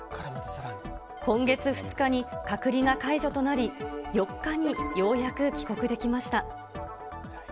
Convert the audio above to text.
今月２日に隔離が解除となり、４日にようやく帰国できました。